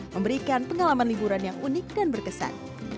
memberikan pengalaman liburan yang unik dan berkesan